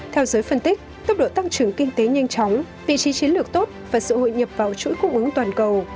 theo giới phân tích tốc độ tăng trưởng kinh tế nhanh chóng vị trí chiến lược tốt và sự hội nhập vào chuỗi cung ứng toàn cầu